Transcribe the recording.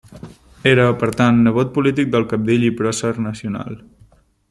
Era, per tant, nebot polític del cabdill i pròcer nacional.